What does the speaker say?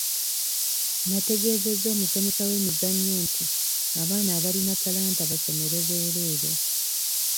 Nategeezezza omusomesa w'emizannyo nti abaana abalina talanta basomere bwereere.